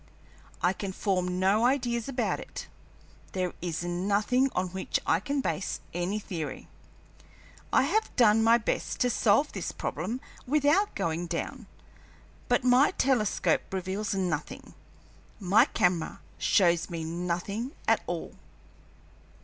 I can form no ideas about it, there is nothing on which I can base any theory. I have done my best to solve this problem without going down, but my telescope reveals nothing, my camera shows me nothing at all."